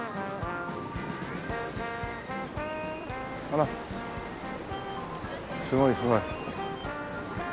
あらすごいすごい。